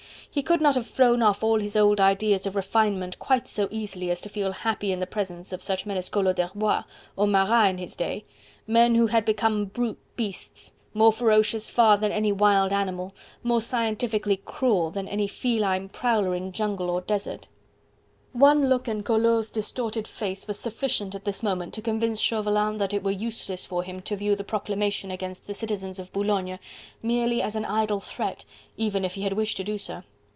He could not have thrown off all his old ideas of refinement quite so easily, as to feel happy in the presence of such men as Collot d'Herbois, or Marat in his day men who had become brute beasts, more ferocious far than any wild animal, more scientifically cruel than any feline prowler in jungle or desert. One look in Collot's distorted face was sufficient at this moment to convince Chauvelin that it were useless for him to view the proclamation against the citizens of Boulogne merely as an idle threat, even if he had wished to do so.